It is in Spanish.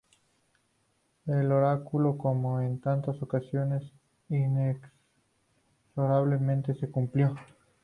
El oráculo, como en tantas ocasiones, inexorablemente, se cumplió.